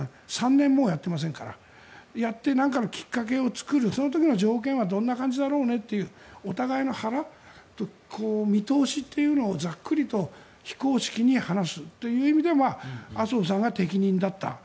３年もうやっていませんからやって、なんかのきっかけを作るその時の条件はどんな感じだろうねというお互いの腹、見通しというのをざっくりと非公式に話すという意味では麻生さんが適任だった。